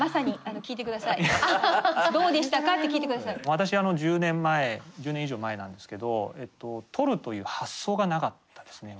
私１０年前１０年以上前なんですけど取るという発想がなかったですね